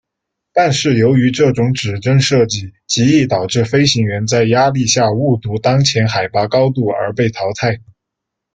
但是由于这种指针设计极易导致飞行员在压力下误读当前海拔高度而被淘汰。